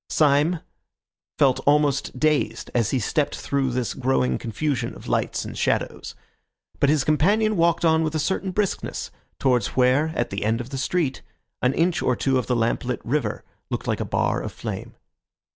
Syme felt almost dazed as he stepped through this growing confusion of lights and shadows; but his companion walked on with a certain briskness, towards where, at the end of the street, an inch or two of the lamplit river looked like a bar of flame.